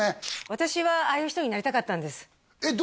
私はああいう人になりたかったんですえっ